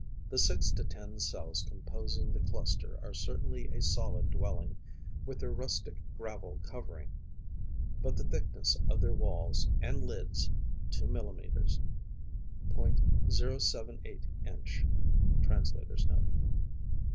The six to ten cells composing the cluster are certainly a solid dwelling, with their rustic gravel covering; but the thickness of their walls and lids, two millimetres (.078 inch Translator's Note.)